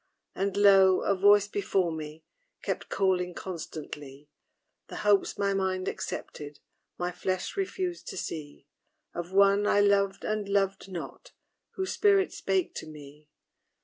And, lo! a voice before me Kept calling constantly The hopes my mind accepted, My flesh refused to see Of one I loved and loved not, Whose spirit spake to me.